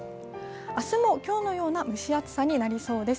明日も今日のような蒸し暑さになりそうです。